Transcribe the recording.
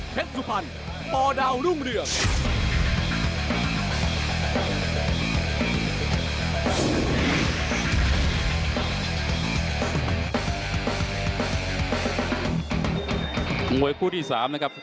สุพรรณปดาวรุ่งเรือง